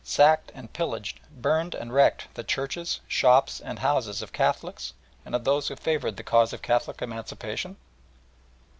sacked and pillaged, burned and wrecked the churches, shops, and houses of Catholics and of those who favoured the cause of Catholic emancipation?